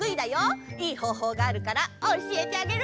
いいほうほうがあるからおしえてあげる！